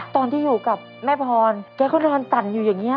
ตอนที่อยู่กับแม่พรแกก็นอนสั่นอยู่อย่างนี้